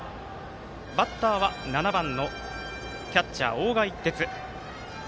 バッターは７番のキャッチャー大賀一徹。